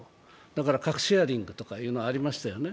だから核シェアリングとかってありましたよね。